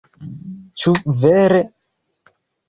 Ĉu vere?"